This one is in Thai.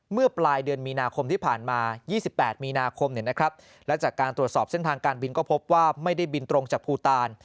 เมื่อปลายเดือนมีนาคมที่ผ่านมา๒๘มีนาคมและจากการตรวจสอบเส้นทางการบินก็พบว่าไม่ได้บินตรงจากภูตาล